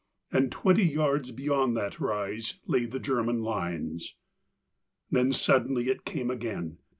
And twenty yards beyond that rise lay the German lines. Then suddenly it came again.